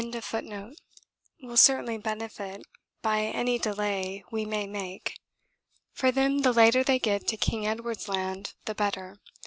The Eastern Party will certainly benefit by any delay we may make; for them the later they get to King Edward's Land the better.